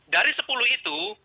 dari sepuluh itu